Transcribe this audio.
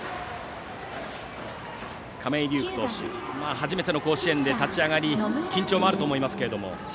亀井颯玖投手、初めての甲子園で立ち上がり緊張もあると思いますが。